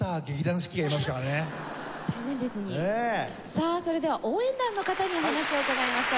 さあそれでは応援団の方にお話を伺いましょう。